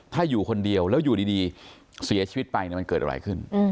ถ้าอยู่คนเดียวแล้วอยู่ดีเสียชีวิตไปมันเกิดอะไรขึ้น